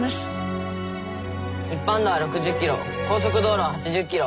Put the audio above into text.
一般道は６０キロ高速道路は８０キロ。